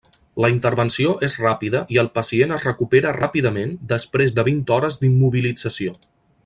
La intervenció és ràpida i el pacient es recupera ràpidament després de vint hores d'immobilització.